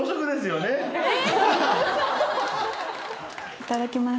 いただきます。